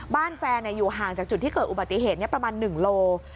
แฟนอยู่ห่างจากจุดที่เกิดอุบัติเหตุประมาณ๑โล